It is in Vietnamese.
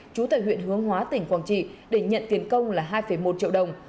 chú tài huyện hướng hóa tỉnh quảng trị để nhận tiền công là hai một triệu đồng